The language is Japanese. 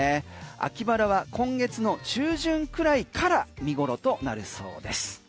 秋バラは今月の中旬くらいから見頃となるそうです。